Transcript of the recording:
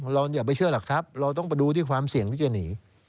อย่าไปเชื่อหลักทรัพย์เราต้องไปดูที่ความเสี่ยงที่จะหนี